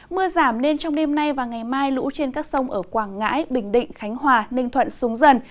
mưa giảm nên trong đêm nay và ngày mai lũ trên các sông ở quảng ngãi bình định khánh hòa ninh thuận xuống dần